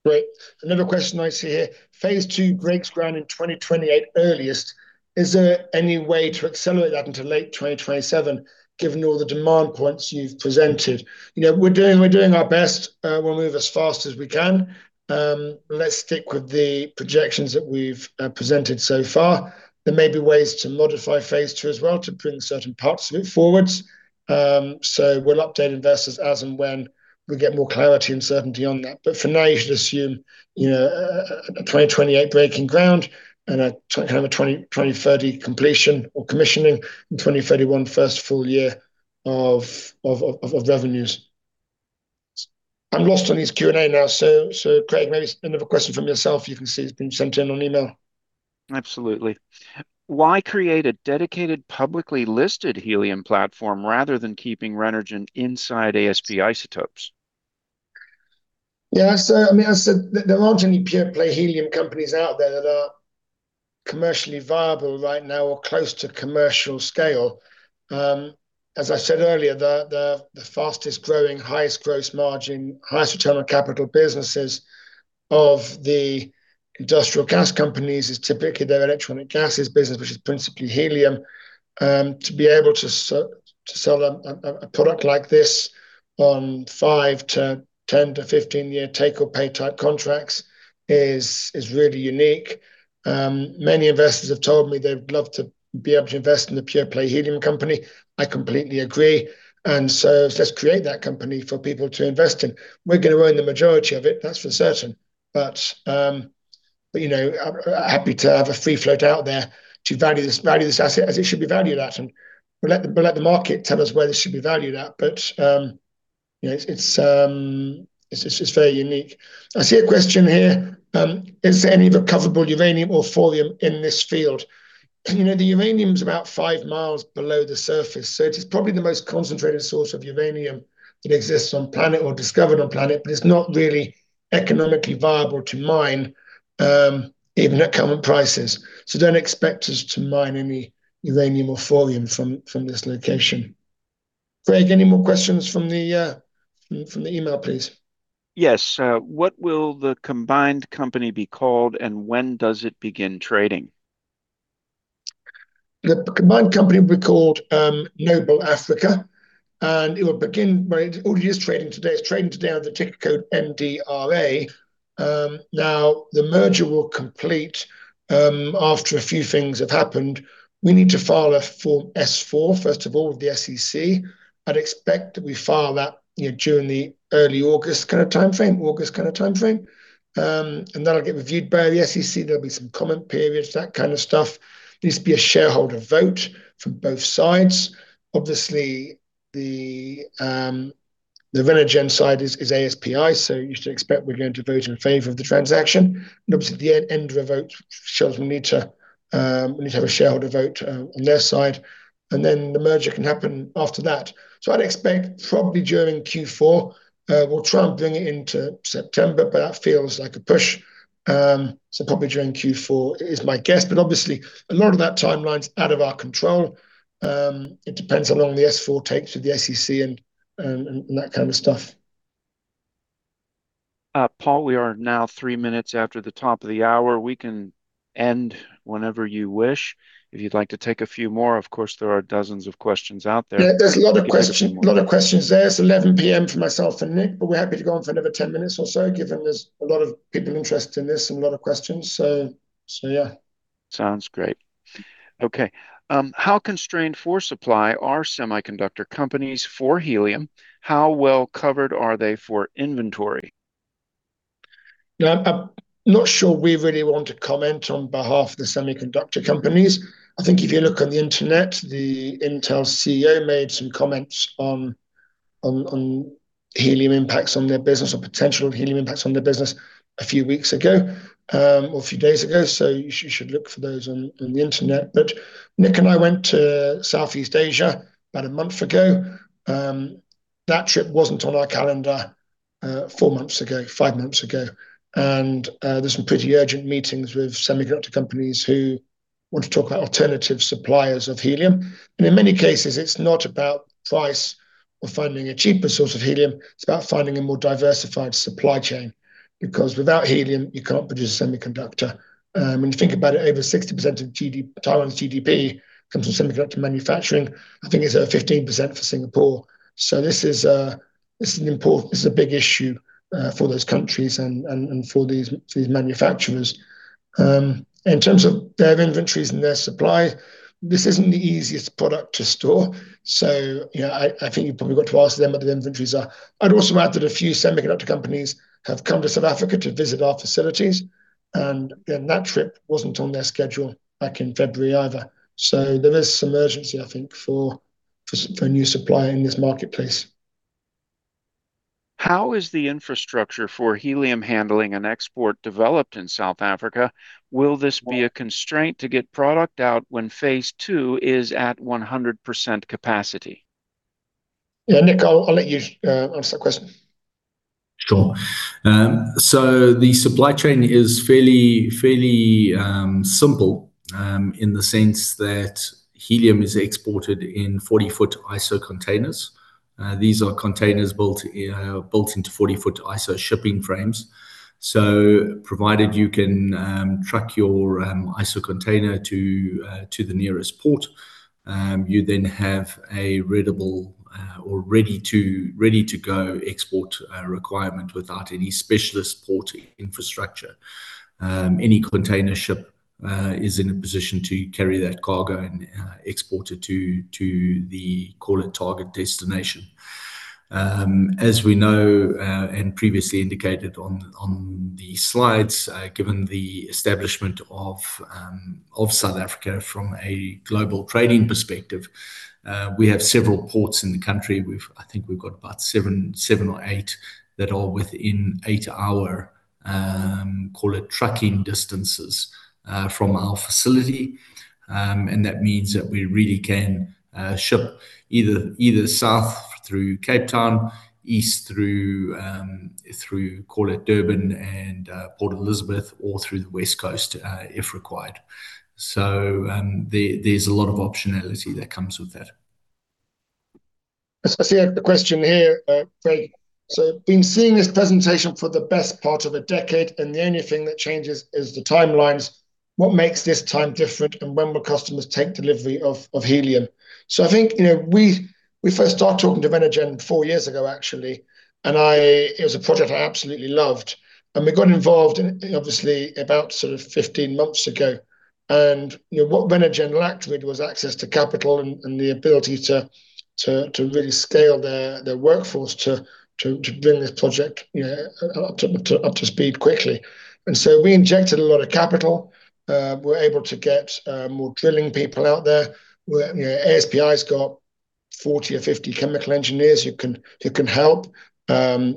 Great. Another question I see here. Phase II breaks ground in 2028 earliest. Is there any way to accelerate that into late 2027 given all the demand points you've presented? We're doing our best. We'll move as fast as we can. Let's stick with the projections that we've presented so far. There may be ways to modify phase II as well to bring certain parts of it forwards. We'll update investors as and when we get more clarity and certainty on that. For now, you should assume a 2028 breaking ground and a kind of a 2030 completion or commissioning, and 2031 first full year of revenues. I'm lost on this Q&A now, Craig, maybe another question from yourself you can see that's been sent in on email. Absolutely. Why create a dedicated publicly listed helium platform rather than keeping Renergen inside ASP Isotopes? Yeah, there aren't any pure play helium companies out there that are commercially viable right now or close to commercial scale. As I said earlier, the fastest growing, highest gross margin, highest return on capital businesses of the industrial gas companies is typically their electronic gases business, which is principally helium. To be able to sell a product like this on 5-10-15 year take or pay type contracts is really unique. Many investors have told me they'd love to be able to invest in a pure play helium company. I completely agree, let's create that company for people to invest in. We're going to own the majority of it, that's for certain. Happy to have a free float out there to value this asset as it should be valued at, and we'll let the market tell us where this should be valued at. It's just very unique. I see a question here. Is there any recoverable uranium or thorium in this field? The uranium's about 5 mi below the surface, so it is probably the most concentrated source of uranium that exists on the planet or discovered on the planet. It's not really economically viable to mine, even at current prices. Don't expect us to mine any uranium or thorium from this location. Craig, any more questions from the email, please? Yes. What will the combined company be called, and when does it begin trading? The combined company will be called Noble Africa, it is trading today. It's trading today under the ticker code NDRA. The merger will complete after a few things have happened. We need to file a Form S-4 first of all with the SEC. I'd expect that we file that during the early August kind of timeframe. That'll get reviewed by the SEC. There'll be some comment periods, that kind of stuff. There'll need to be a shareholder vote from both sides. Obviously, the Renergen side is ASPI, so you should expect we're going to vote in favor of the transaction. Obviously, at the end of the vote, shareholders will need to have a shareholder vote on their side, and then the merger can happen after that. I'd expect probably during Q4. We'll try and bring it into September, but that feels like a push. Probably during Q4 is my guess, but obviously a lot of that timeline's out of our control. It depends how long the S-4 takes with the SEC and that kind of stuff. Paul, we are now three minutes after the top of the hour. We can end whenever you wish. If you'd like to take a few more, of course, there are dozens of questions out there. Yeah, there's a lot of questions there. It's 11:00 P.M. for myself and Nick, but we're happy to go on for another 10 minutes or so, given there's a lot of people interested in this and a lot of questions. Yeah. Sounds great. Okay. How constrained for supply are semiconductor companies for helium? How well covered are they for inventory? I'm not sure we really want to comment on behalf of the semiconductor companies. I think if you look on the internet, the Intel CEO made some comments on helium impacts on their business or potential helium impacts on their business a few weeks ago, or a few days ago, you should look for those on the internet. Nick and I went to Southeast Asia about a month ago. That trip wasn't on our calendar four months ago, five months ago. There were some pretty urgent meetings with semiconductor companies who want to talk about alternative suppliers of helium. In many cases, it's not about price or finding a cheaper source of helium, it's about finding a more diversified supply chain. Without helium, you can't produce a semiconductor. When you think about it, over 60% of Taiwan's GDP comes from semiconductor manufacturing. I think it's at 15% for Singapore. This is important. This is a big issue for those countries and for these manufacturers. In terms of their inventories and their supply, this isn't the easiest product to store, so I think you've probably got to ask them what their inventories are. I'd also add that a few semiconductor companies have come to South Africa to visit our facilities, and that trip wasn't on their schedule back in February either. There is some urgency, I think, for new supply in this marketplace. How is the infrastructure for helium handling and export developed in South Africa? Will this be a constraint to get product out when phase II is at 100% capacity? Yeah, Nick, I'll let you answer the question. Sure. The supply chain is fairly simple in the sense that helium is exported in 40-ft ISO containers. These are containers built into 40-ft ISO shipping frames. Provided you can truck your ISO container to the nearest port, you then have a readable or ready to go export requirement without any specialist port infrastructure. Any container ship is in a position to carry that cargo and export it to the call it target destination. As we know and previously indicated on the slides, given the establishment of South Africa from a global trading perspective, we have several ports in the country. I think we've got about seven or eight that are within eight-hour call it trucking distances from our facility. That means that we really can ship either south through Cape Town, east through call it Durban and Port Elizabeth, or through the West Coast, if required. There's a lot of optionality that comes with that. I see a question here, Craig. Been seeing this presentation for the best part of a decade, and the only thing that changes is the timelines. What makes this time different, and when will customers take delivery of helium? I think, we first started talking to Renergen four years ago, actually. It was a project I absolutely loved. We got involved obviously about sort of 15 months ago. What Renergen lacked really was access to capital and the ability to really scale their workforce to bring this project up to speed quickly. We injected a lot of capital. We're able to get more drilling people out there, where ASPI's got 40 or 50 chemical engineers who can help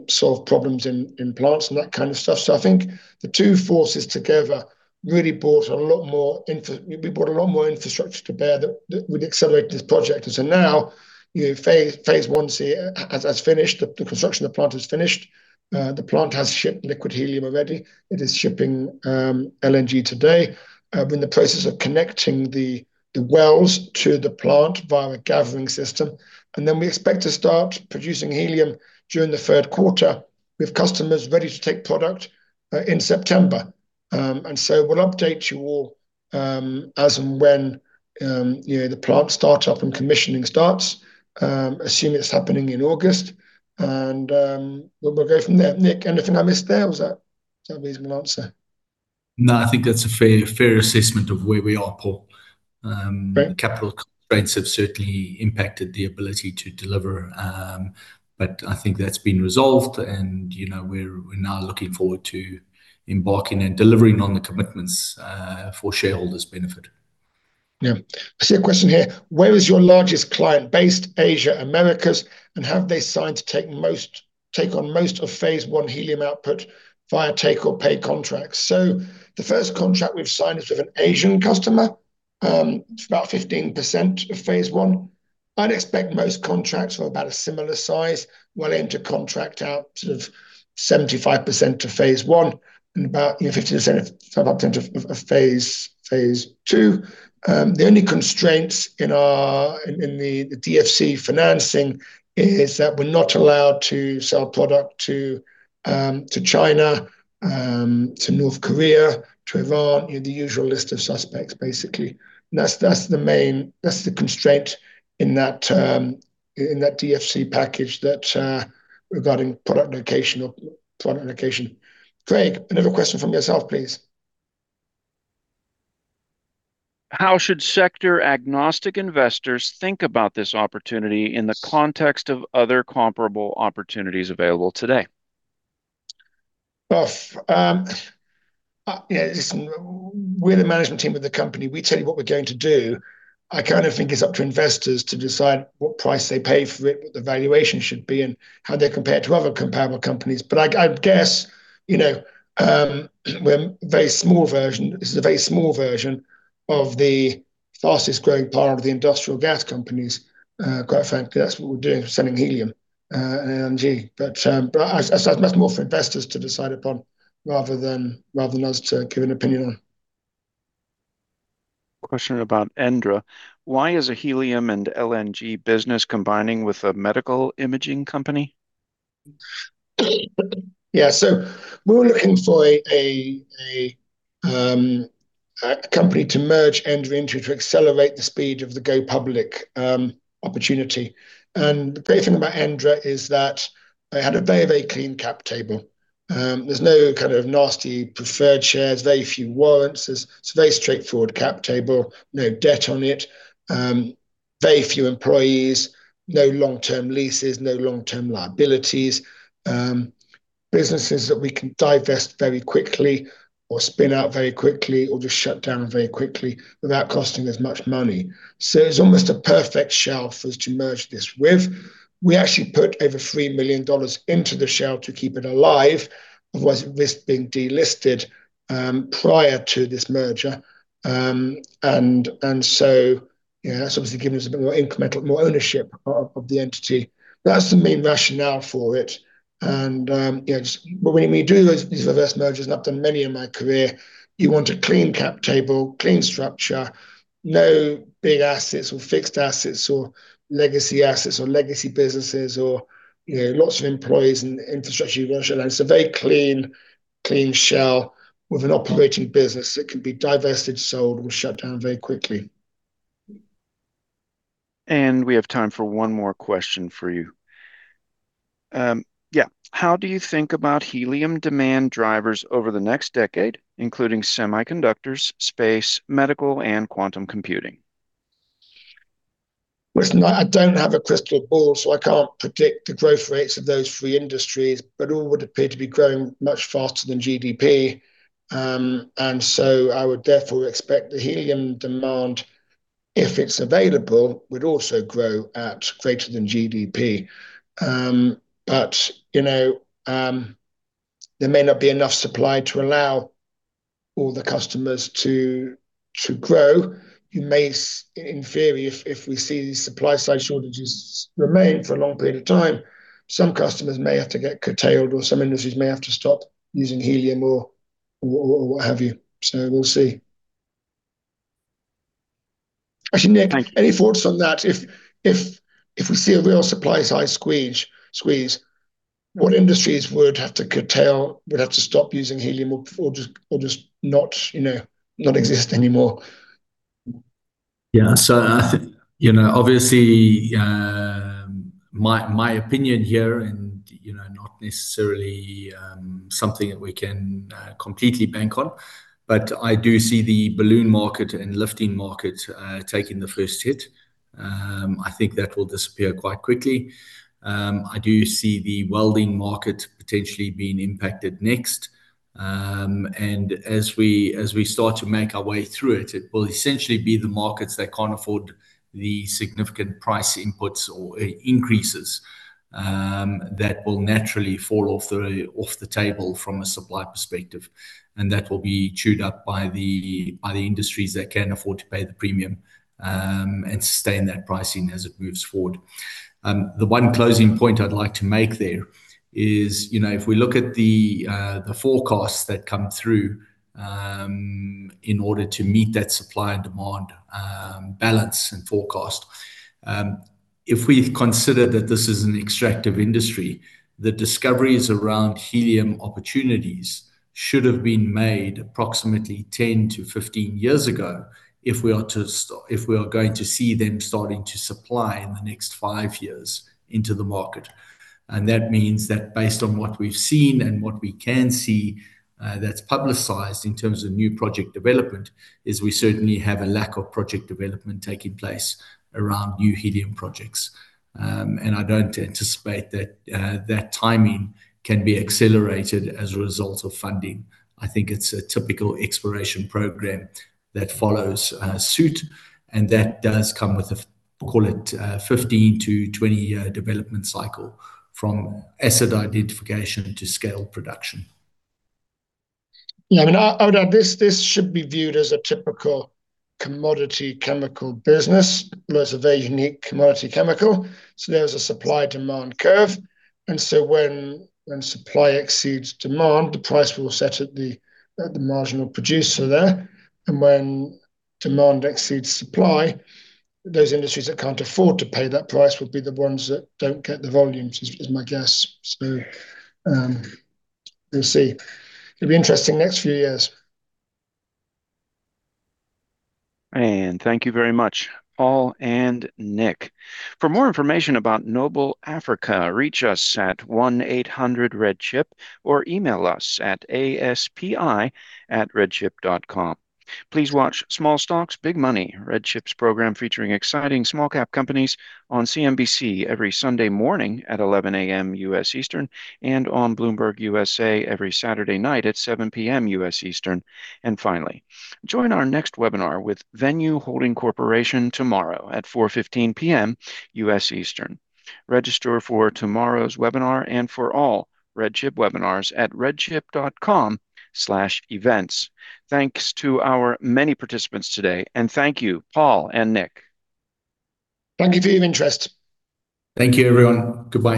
solve problems in plants and that kind of stuff. I think the two forces together really brought a lot more infrastructure to bear that would accelerate this project. Now, phase I has finished, the construction of the plant is finished. The plant has shipped liquid helium already. It is shipping LNG today. We're in the process of connecting the wells to the plant via a gathering system, then we expect to start producing helium during the third quarter, with customers ready to take product in September. We'll update you all as and when the plant start up and commissioning starts. Assume it's happening in August. We'll go from there. Nick, anything I missed there? Was that a reasonable answer? No, I think that's a fair assessment of where we are, Paul. Great. Capital constraints have certainly impacted the ability to deliver. I think that's been resolved and we're now looking forward to embarking and delivering on the commitments for shareholders' benefit. Yeah. I see a question here. Where is your largest client based, Asia, Americas, and have they signed to take on most of phase I helium output via take or pay contracts? The first contract we've signed is with an Asian customer. It's about 15% of phase I. I'd expect most contracts are about a similar size. We'll aim to contract out of 75% to phase I and about [15% of product] into phase II. The only constraints in the DFC financing is that we're not allowed to sell product to China, to North Korea, to Iran, the usual list of suspects, basically. That's the constraint in that DFC package regarding product location. Craig, another question from yourself, please. How should sector-agnostic investors think about this opportunity in the context of other comparable opportunities available today? Well, listen, we're the management team of the company. We tell you what we're going to do. I kind of think it's up to investors to decide what price they pay for it, what the valuation should be, and how they compare to other comparable companies. I guess, this is a very small version of the fastest-growing part of the industrial gas companies. Quite frankly, that's what we're doing, selling helium and LNG. That's more for investors to decide upon rather than us to give an opinion on. Question about ENDRA. Why is a helium and LNG business combining with a medical imaging company? Yeah. We were looking for a company to merge ENDRA into to accelerate the speed of the go public opportunity. The great thing about ENDRA is that they had a very clean cap table. There's no kind of nasty preferred shares, very few warrants. It's a very straightforward cap table, no debt on it. Very few employees, no long-term leases, no long-term liabilities. Businesses that we can divest very quickly or spin out very quickly or just shut down very quickly without costing as much money. It's almost a perfect shell for us to merge this with. We actually put over $3 million into the shell to keep it alive, otherwise it risked being delisted prior to this merger. That's obviously given us a bit more incremental, more ownership of the entity. That's the main rationale for it. When you do those reverse mergers, and I've done many in my career, you want a clean cap table, clean structure, no big assets or fixed assets or legacy assets or legacy businesses or lots of employees and infrastructure. It's a very clean shell with an operating business that can be divested, sold, or shut down very quickly. We have time for one more question for you. Yeah. How do you think about helium demand drivers over the next decade, including semiconductors, space, medical, and quantum computing? Listen, I don't have a crystal ball, so I can't predict the growth rates of those three industries, but all would appear to be growing much faster than GDP. I would therefore expect the helium demand, if it's available, would also grow at greater than GDP. There may not be enough supply to allow all the customers to grow. You may in theory, if we see these supply side shortages remain for a long period of time, some customers may have to get curtailed or some industries may have to stop using helium or what have you. We'll see. Actually, Nick- Thank you Any thoughts on that? If we see a real supply side squeeze, what industries would have to curtail, would have to stop using helium or just not exist anymore? Yeah. I think obviously, my opinion here and not necessarily something that we can completely bank on, but I do see the balloon market and lifting market taking the first hit. I think that will disappear quite quickly. I do see the welding market potentially being impacted next. As we start to make our way through it will essentially be the markets that can't afford the significant price inputs or increases that will naturally fall off the table from a supply perspective. That will be chewed up by the industries that can afford to pay the premium and sustain that pricing as it moves forward. The one closing point I'd like to make there is if we look at the forecasts that come through in order to meet that supply and demand balance and forecast, if we consider that this is an extractive industry, the discoveries around helium opportunities should have been made approximately 10-15 years ago if we are going to see them starting to supply in the next five years into the market. That means that based on what we've seen and what we can see that's publicized in terms of new project development, is we certainly have a lack of project development taking place around new helium projects. I don't anticipate that timing can be accelerated as a result of funding. I think it's a typical exploration program that follows suit, that does come with a, call it, 15-20-year development cycle from asset identification to scale production. Yeah. I mean, I would add this should be viewed as a typical commodity chemical business, but it's a very unique commodity chemical. There is a supply-demand curve, when supply exceeds demand, the price will set at the marginal producer there. When demand exceeds supply, those industries that can't afford to pay that price would be the ones that don't get the volumes is my guess. We'll see. It'll be interesting next few years. Thank you very much, Paul and Nick. For more information about Noble Africa, reach us at 1-800-RedChip or email us at aspi@redchip.com. Please watch Small Stocks, Big Money, RedChip's program featuring exciting small cap companies on CNBC every Sunday morning at 11:00 A.M. U.S. Eastern and on Bloomberg USA every Saturday night at 7:00 P.M. U.S. Eastern. Finally, join our next webinar with Venue Holding Corporation tomorrow at 4:15 P.M. U.S. Eastern. Register for tomorrow's webinar and for all RedChip webinars at redchip.com/events. Thanks to our many participants today, and thank you, Paul and Nick. Thank you for your interest. Thank you, everyone. Goodbye.